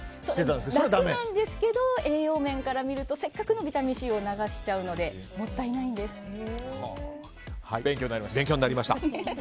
楽なんですけど栄養面から見るとせっかくのビタミンＣを流しちゃうので勉強になりました。